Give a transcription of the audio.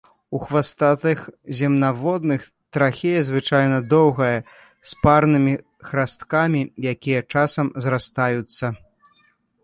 У хвастатых земнаводных трахея звычайна доўгая, з парнымі храсткамі, якія часам зрастаюцца.